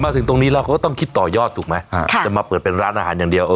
ถึงตรงนี้แล้วเขาก็ต้องคิดต่อยอดถูกไหมจะมาเปิดเป็นร้านอาหารอย่างเดียว